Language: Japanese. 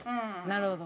なるほど。